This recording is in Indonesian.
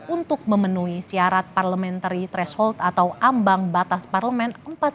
untuk memenuhi syarat parliamentary threshold atau ambang batas parlemen